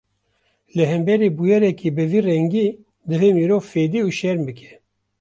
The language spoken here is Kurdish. Li hemberî bûyereke bi vî rengî, divê mirov fedî û şerm bike